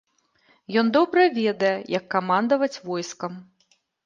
Ён добра ведае, як камандаваць войскам.